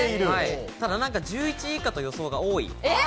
１１位以下という予想が多い。